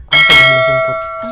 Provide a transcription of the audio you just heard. al gak bisa dijemput